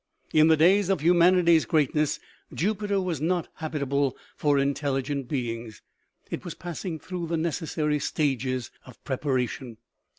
In the days of humanity's greatness, Jupiter was not habit able for intelligent beings. It was passing through the necessary stages of preparation.